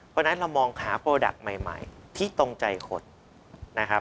เพราะฉะนั้นเรามองหาโปรดักต์ใหม่ที่ตรงใจคนนะครับ